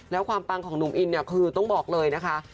แล้วความปังของหนุ่มอินเนี่ยคือต้องบอกเลยนะคะ